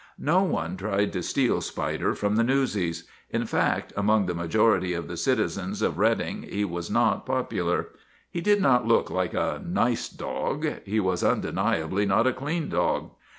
No one tried to steal Spider from the newsies. In fact, among the majority of the citizens of Reading he was not popular. He did not look like a nice dog; he was undeniably not a clean dog.